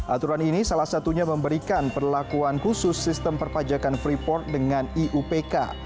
aturan ini salah satunya memberikan perlakuan khusus sistem perpajakan freeport dengan iupk